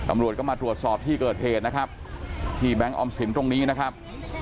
ตำรวจก็มาตรวจสอบที่เกิดเหตุนะครับที่แบงค์ออมสินตรงนี้นะครับ